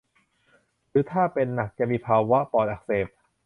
หรือถ้าเป็นหนักจะมีภาวะปอดอักเสบ